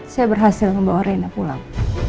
saya berhasil membawa reina pulang